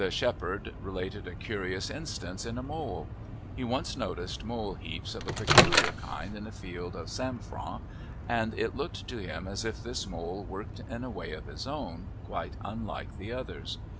The shepherd related a curious instance in a mole. He once noticed mole heaps of a peculiar kind in a field of sainfoin, and it looked to him as if this mole worked in a way of his own, quite unlike the others.